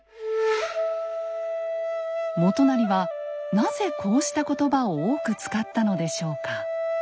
元就はなぜこうした言葉を多く使ったのでしょうか？